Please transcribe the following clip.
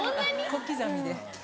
小刻みで。